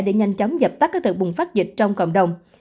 để nhanh chóng dập tắt các đợt bùng phát dịch trong cộng đồng